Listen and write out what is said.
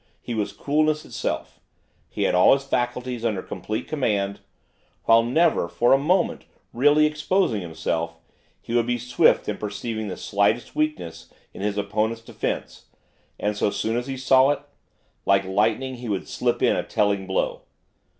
He was coolness itself. He had all his faculties under complete command. While never, for a moment, really exposing himself, he would be swift in perceiving the slightest weakness in his opponents' defence, and, so soon as he saw it, like lightning, he would slip in a telling blow.